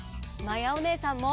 まやおねえさんも！